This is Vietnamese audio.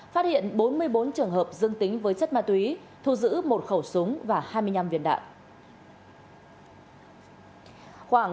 phát hiện bốn mươi bốn trường hợp dương tính với chất ma túy thu giữ một khẩu súng và hai mươi năm viên đạn